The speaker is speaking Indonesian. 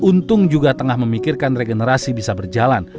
untung juga tengah memikirkan regenerasi bisa berjalan